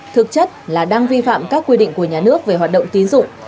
thực chất là đang vi phạm các quy định của nhà nước về hoạt động tín dụng